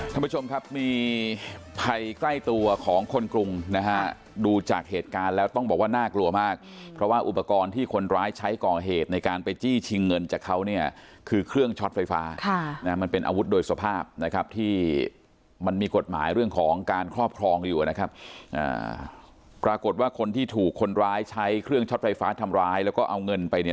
ท่านผู้ชมครับมีภัยใกล้ตัวของคนกรุงนะฮะดูจากเหตุการณ์แล้วต้องบอกว่าน่ากลัวมากเพราะว่าอุปกรณ์ที่คนร้ายใช้ก่อเหตุในการไปจี้ชิงเงินจากเขาเนี่ยคือเครื่องช็อตไฟฟ้าค่ะนะมันเป็นอาวุธโดยสภาพนะครับที่มันมีกฎหมายเรื่องของการครอบครองอยู่นะครับอ่าปรากฏว่าคนที่ถูกคนร้ายใช้เครื่องช็อตไฟฟ้าทำร้ายแล้วก็เอาเงินไปเนี่ย